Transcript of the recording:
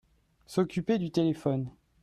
S'occuper du téléphone.